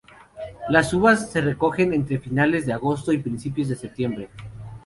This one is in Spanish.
Las uvas se recogen entre finales de agosto y principios de septiembre.